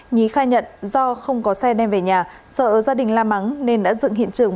nhí khai nhận do không có xe đem về nhà sợ gia đình la mắng nên đã dựng hiện trường